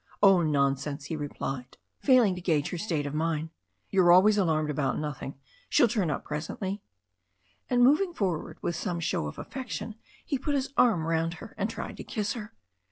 "Oh, nonsense!" he replied, failing to gauge her state of mind. "You're always alarmed about nothing. She'll turn up presently." And moving forward with some show of affection, he put his arm round her and tried to kiss her.